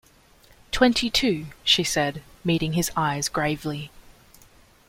"Twenty-two," she said, meeting his eyes gravely.